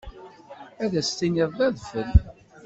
Ad as-tiniḍ d adfel.